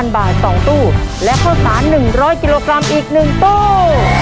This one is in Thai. ๐บาท๒ตู้และข้าวสาร๑๐๐กิโลกรัมอีก๑ตู้